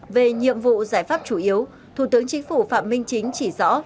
về nhiệm vụ giải pháp chủ yếu thủ tướng chính phủ phạm minh chính chỉ rõ